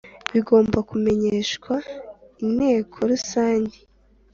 bigomba kumenyeshwa Inteko Rusange